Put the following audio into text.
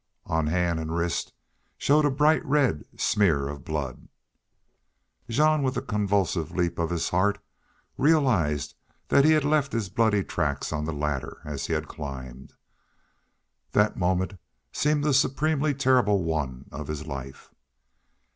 On hand and wrist showed a bright red smear of blood. Jean, with a convulsive leap of his heart, realized that he had left his bloody tracks on the ladder as he had climbed. That moment seemed the supremely terrible one of his life.